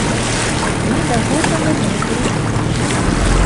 Мы да гэтага не прывыклі.